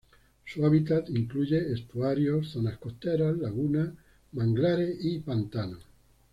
Su hábitat incluye estuarios, zonas costeras, lagunas, manglares y pantanos.